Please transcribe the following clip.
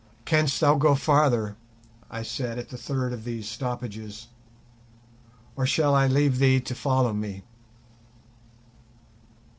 "Canst thou go farther," I said at the third of these stoppages, "or shall I leave thee to follow me?"